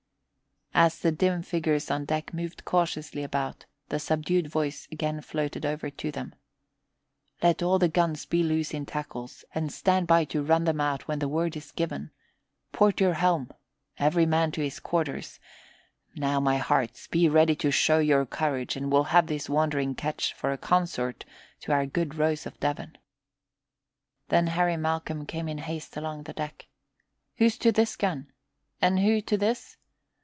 As the dim figures on deck moved cautiously about, the subdued voice again floated down to them: "Let all the guns be loose in tackles and stand by to run them out when the word is given. Port your helm! Every man to his quarters. Now, my hearts, be ready to show your courage and we'll have this wandering ketch for a consort to our good Rose of Devon." Then Harry Malcolm came in haste along the deck. "Who's to this gun? And who to this?